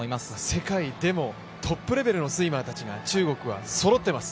世界でもトップレベルのスイマーたちが中国はそろっています。